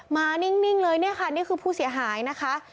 นิ่งเลยเนี่ยค่ะนี่คือผู้เสียหายนะคะ